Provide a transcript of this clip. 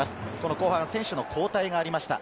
後半選手の交代がありました。